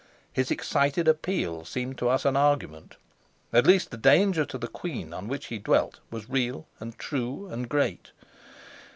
His excited appeal seemed to us an argument. At least the danger to the queen, on which he dwelt, was real and true and great.